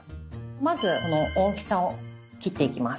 まず大きさを切っていきます。